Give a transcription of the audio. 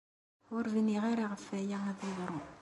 Ur bniɣ ara ɣef waya ad d-yeḍru.